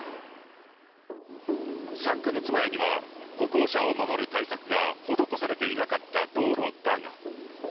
３か月前には歩行者を守る対策が施されていなかった道路だが。